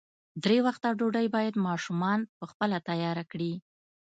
درې وخته ډوډۍ باید ماشومان خپله تیاره کړي.